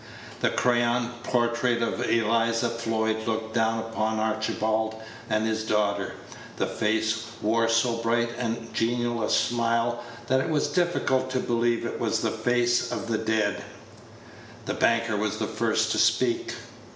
The crayon portrait of Eliza Floyd looked down upon Archibald and his daughter. The face wore so bright and genial a smile that it was difficult to believe it was the face of the dead. The banker was the first to speak.